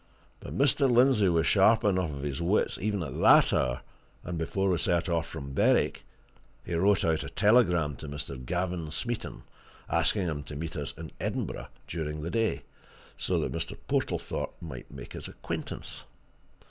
But Mr. Lindsey was sharp enough of his wits even at that hour, and before we set off from Berwick he wrote out a telegram to Mr. Gavin Smeaton, asking him to meet us in Edinburgh during the day, so that Mr. Portlethorpe might make his acquaintance.